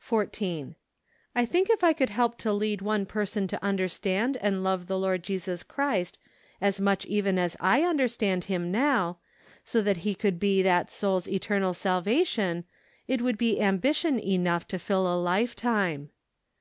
OCTOBER. 115 14. I think if I could help to lead one person to understand and love the Lord Jesus Christ as much even as I understand Him now, so that He would be that soul's eternal salvation, it would be ambition enough to fill a lifetime.